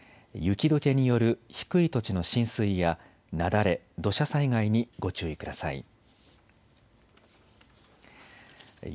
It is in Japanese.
雪どけによる低い土地の浸水や雪崩、土砂災害にご注意ください。